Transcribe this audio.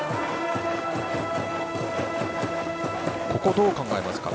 ここ、どう考えますか。